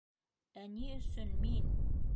Ә ни өсөн... мин?!